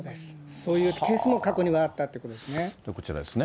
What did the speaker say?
そういうケースも過去にはあったっていうことですこちらですね。